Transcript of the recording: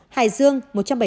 hải dương một trăm bảy mươi bảy